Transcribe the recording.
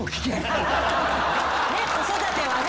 子育てはね！